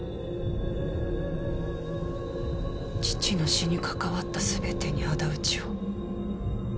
父の死に関わった全てにあだ討ちを。